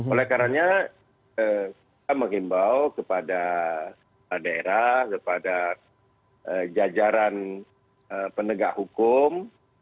oleh karena kita menghimbau kepada daerah kepada jajaran penegak hukum